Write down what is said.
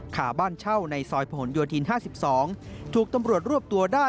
ขาบ้านเช่าในซอยพระหลโยธินห้าสิบสองถูกตำรวจรวบตัวได้